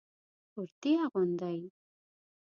کرتي اغوندئ